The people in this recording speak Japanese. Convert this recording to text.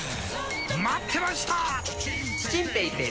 待ってました！